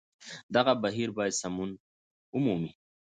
دغه بهير بايد سمون ومومي